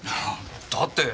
だって！